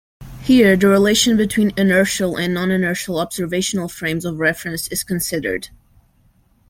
Here the relation between inertial and non-inertial observational frames of reference is considered.